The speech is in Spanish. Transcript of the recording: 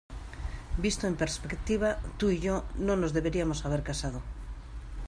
Visto en perspectiva, tú y yo no nos deberíamos haber casado.